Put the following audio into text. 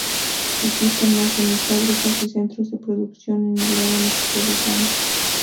Existen más de mil fábricas y centros de producción en el área metropolitana.